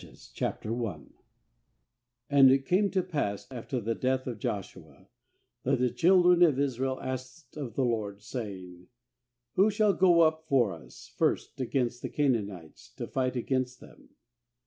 292 JUDGES 1 AND it came to pass after the x death of Joshua, that the children of Israel asked of the LORD, saying: 'Who shall go up for us first against the Canaanites, to fight against them?'